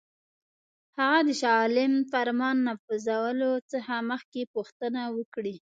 هغه د شاه عالم فرمان نافذولو څخه مخکي پوښتنه وکړي.